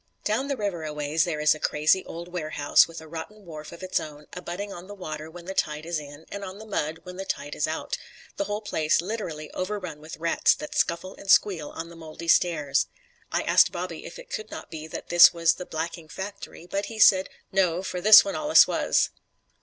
Down the river aways there is a crazy, old warehouse with a rotten wharf of its own, abutting on the water when the tide is in, and on the mud when the tide is out the whole place literally overrun with rats that scuffle and squeal on the moldy stairs. I asked Bobby if it could not be that this was the blacking factory; but he said, No, for this one allus wuz.